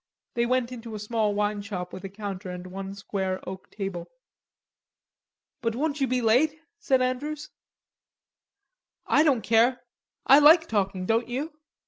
They went into a small wine shop with a counter and one square oak table. "But won't you be late?" said Andrews. "I don't care. I like talking, don't you?"